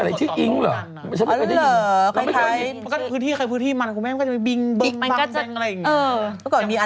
คุณหมอโดนกระช่าคุณหมอโดนกระช่า